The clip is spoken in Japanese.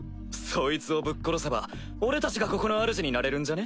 そいつをぶっ殺せば俺たちがここのあるじになれるんじゃね？